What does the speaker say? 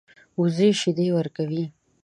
وزې شیدې ورکوي